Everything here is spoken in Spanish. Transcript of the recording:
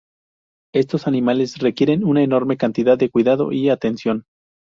Estos animales requieren una enorme cantidad de cuidado y atención.